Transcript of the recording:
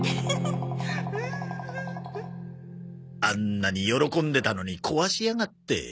あんなに喜んでたのに壊しやがって。